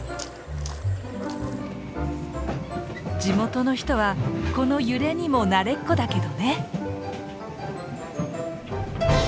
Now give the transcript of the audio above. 地元の人はこの揺れにも慣れっこだけどね！